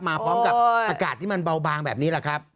มาพร้อมกับอากาศที่มันเบาบางแบบนี้แหละครับ